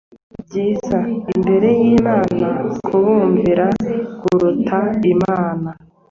Byiza imbere y imana kubumvira kuruta imana